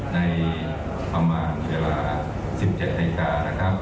ในประมาณเวลา๑๗นาฬิกานะครับ